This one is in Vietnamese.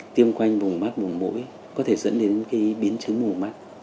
tiêm quanh vùng mắt vùng mũi có thể dẫn đến cái biến chứng mù mắt